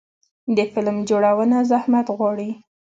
د فلم جوړونه زحمت غواړي.